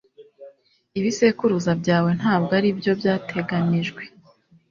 ibisekuruza byawe ntabwo aribyo byateganijwe